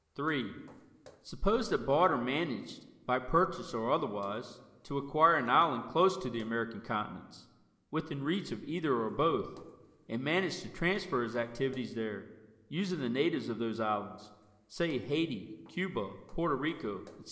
(3) Suppose that Barter managed, by purchase or otherwise, to acquire an island close to the American continents, within reach of either or both, and managed to transfer his activities there, using the natives of those islands say Haiti, Cuba, Porto Rico, etc.